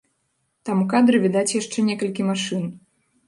Там ў кадры відаць яшчэ некалькі машын.